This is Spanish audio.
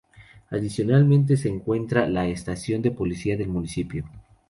Adicionalmente se encuentra la estación de policía del municipio.